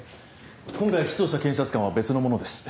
今回起訴をした検察官は別の者です。